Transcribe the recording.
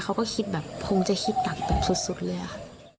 เขาก็คิดแบบคงจะคิดหนักแบบสุดเลยค่ะ